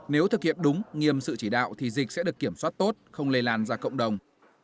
nếu thực hiện đúng nghiêm sự chỉ đạo thì dịch sẽ được kiểm soát tốt không lây lan ra cộng đồng